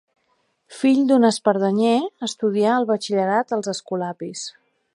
Fill d'un espardenyer, estudià el batxillerat als escolapis.